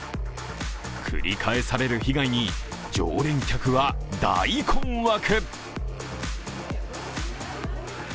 繰り返される被害に常連客は大困惑。